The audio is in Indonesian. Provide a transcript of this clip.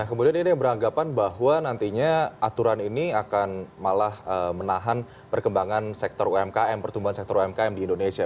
kemudian ini yang beranggapan bahwa nantinya aturan ini akan malah menahan perkembangan sektor umkm pertumbuhan sektor umkm di indonesia